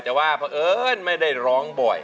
แต่ว่าเพราะเอิญไม่ได้ร้องบ่อย